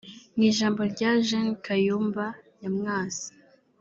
Mu ijambo rya Gen Kayumba Nyamwasa